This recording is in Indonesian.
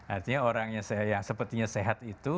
artinya orang yang sepertinya sehat itu